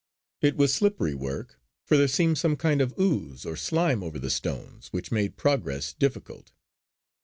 It was slippery work, for there seemed some kind of ooze or slime over the stones which made progress difficult.